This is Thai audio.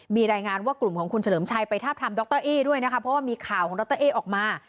มีรายงานว่ากลุ่มของคุณเฉลิมชัยไปทาบทามดรเอ๊ด้วยนะคะเพราะว่ามีข่าวของดรเอ๊ออกมา